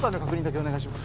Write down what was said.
お願いします